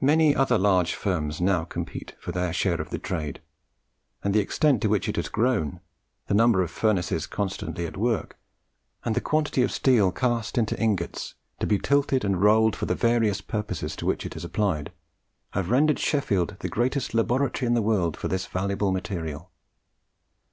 Many other large firms now compete for their share of the trade; and the extent to which it has grown, the number of furnaces constantly at work, and the quantity of steel cast into ingots, to be tilted or rolled for the various purposes to which it is applied, have rendered Sheffield the greatest laboratory in the world of this valuable material.